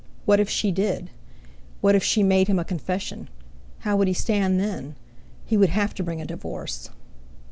What if she did? What if she made him a confession? How would he stand then? He would have to bring a divorce!